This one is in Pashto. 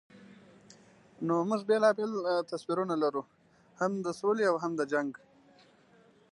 نو موږ بېلابېل تصویرونه لرو، هم د سولې او هم د جنګ.